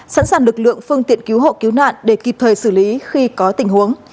sẵn sàng lực lượng phương tiện cứu hộ cứu nạn để kịp thời xử lý khi có tình huống